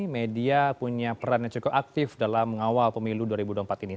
media punya peran yang cukup aktif dalam mengawal pemilu dua ribu dua puluh empat ini